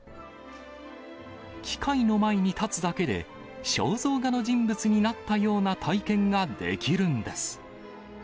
機械の前に立つだけで、肖像画の人物になったような体験ができるんです。